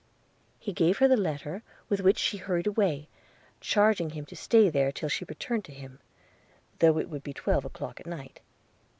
He gave her the letter; with which she hurried away, charging him to stay there till she returned to him, though it should be twelve o'clock at night.